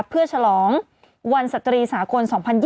เพื่อฉลองวันสตรีสากล๒๐๒๐